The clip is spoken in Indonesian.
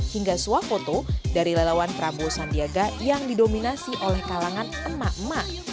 hingga suah foto dari lelawan prabowo sandiaga yang didominasi oleh kalangan emak emak